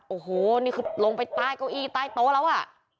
โอ้โหนี่คือลงไปใต้เก้าอี้ใต้โต๊ะแล้วอ่ะ